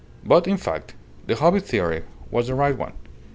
But, in fact, the hobby theory was the right one.